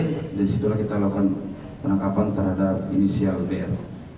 dan disitulah kita melakukan penangkapan terhadap inisial dr